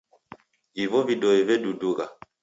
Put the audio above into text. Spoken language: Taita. Ivo vidoi vedudugha.